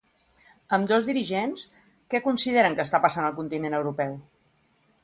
Ambdós dirigents, què consideren que està passant al continent europeu?